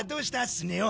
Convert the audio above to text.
スネ夫。